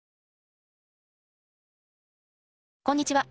こんにちは。